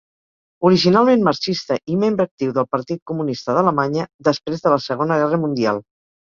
Originalment marxista i membre actiu del Partit Comunista d'Alemanya, després de la Segona Guerra Mundial.